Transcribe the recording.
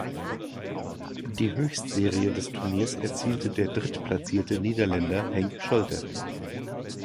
Die Höchstserie des Turniers erzielte der Drittplatzierte Niederländer Henk Scholte.